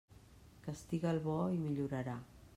Castiga el bo, i millorarà.